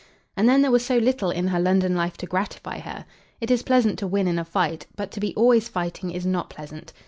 And then there was so little in her London life to gratify her! It is pleasant to win in a fight; but to be always fighting is not pleasant.